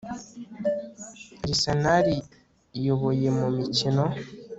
Arsenal iyoboye mumikino